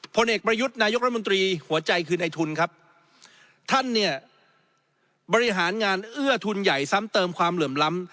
ผลเอกประยุทธ์นายกรัฐมนตรีหัวใจคือในทุนครับท่านเนี่ยบริหารงานเอื้อทุนใหญ่ซ้ำเติมความเหลื่อมล้ำ